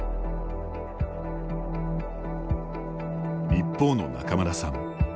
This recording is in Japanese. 一方の仲邑さん。